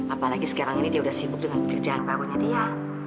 apalagi sekarang ini dia sudah sibuk dengan kerjaan barunya dia